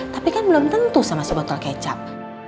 tapi kan belum tentu sama si botol kecap